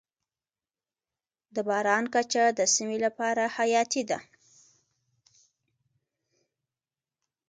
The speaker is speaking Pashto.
د باران کچه د سیمې لپاره حیاتي ده.